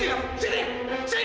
saya juga tersayang